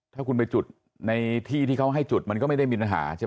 ถ้าคุณไปจุดในที่ที่เขาให้จุดมันก็ไม่ได้มีปัญหาใช่ไหม